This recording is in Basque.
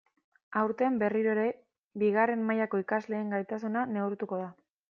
Aurten, berriro ere, bigarren mailako ikasleen gaitasuna neurtuko da.